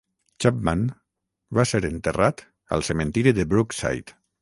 Chapman va ser enterrat al cementiri de Brookside.